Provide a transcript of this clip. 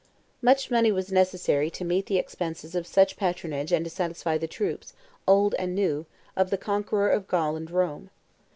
Much money was necessary to meet the expenses of such patronage and to satisfy the troops, old and new, of the conqueror of Gaul and Rome.